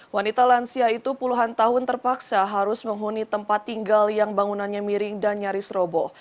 wanita lansia itu puluhan tahun terpaksa harus menghuni tempat tinggal yang bangunannya miring dan nyaris robo